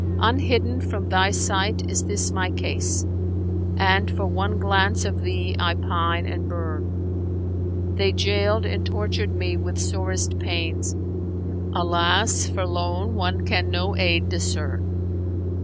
Unhidden from thy sight is this my case; * And for one glance of thee I pine and burn. They jailed and tortured me with sorest pains: * Alas for lone one can no aid discern!